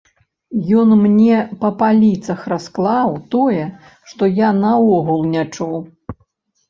Ён мне па паліцах расклаў тое, што я наогул не чуў!